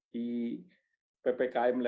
di ppkm level empat di luar jawa bali